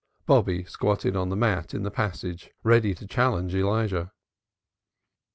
Bobby squatted on the mat in the passage ready to challenge Elijah.